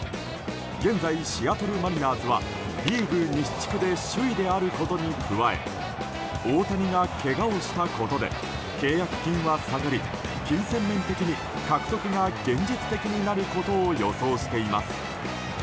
現在、シアトル・マリナーズはリーグ西地区で首位であることに加え大谷がけがをしたことで契約金は下がり金銭面的に獲得が現実的になることを予想しています。